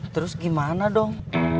terus gimana dong